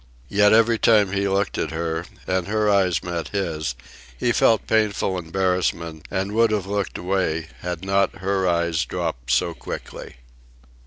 Yet every time he looked at her, and her eyes met his, he felt painful embarrassment, and would have looked away had not her eyes dropped so quickly.